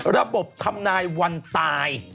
ระบบทำนายวันตาย